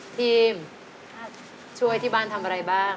ทีมช่วยที่บ้านทำอะไรบ้าง